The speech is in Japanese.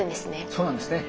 そうなんですね。